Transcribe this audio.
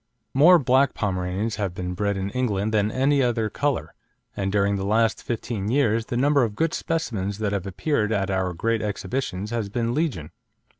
More black Pomeranians have been bred in England than of any other colour, and during the last fifteen years the number of good specimens that have appeared at our great exhibitions has been legion.